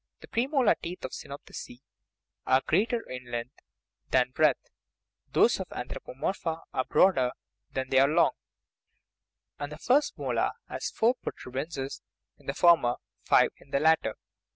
The premolar teeth of the cynopitheci are great er in length than breadth ; those of the anthropomorpha are broader than they are long; and the first molar has four protuberances in the former, five in the latter.